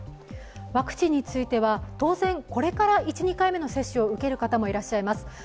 ワクチンについては、当然、これから１、２回目の接種を受ける方もいらっしゃいます。